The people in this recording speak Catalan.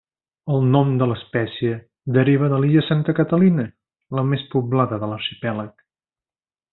El nom de l'espècie deriva de l'illa Santa Catalina, la més poblada de l'arxipèlag.